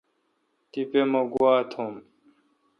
تیپہ مہ گوا توم۔